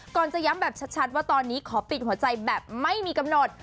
จะย้ำแบบชัดว่าตอนนี้ขอปิดหัวใจแบบไม่มีกำหนด